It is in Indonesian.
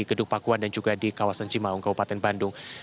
gedung pakuan dan juga di kawasan cimaung kabupaten bandung